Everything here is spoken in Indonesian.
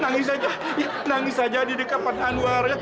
nangis aja ya nangis aja di dekat padan anwar ya